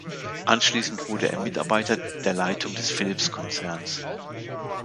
Anschließend wurde er Mitarbeiter der Leitung des Philips-Konzerns.